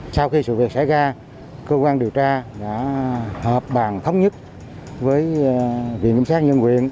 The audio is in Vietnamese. sau khi sự việc xảy ra cơ quan điều tra đã họp bàn thống nhất với viện kiểm sát nhân quyền